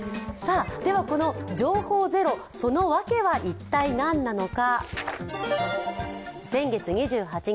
この情報ゼロ、そのわけは一体何なのか。